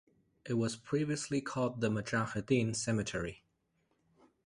It was previously called the Mujahideen Cemetery.